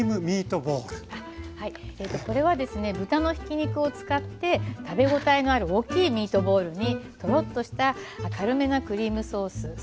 これはですね豚のひき肉を使って食べ応えのある大きいミートボールにとろっとした軽めなクリームソース。